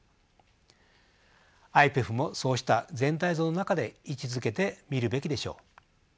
ＩＰＥＦもそうした全体像の中で位置づけて見るべきでしょう。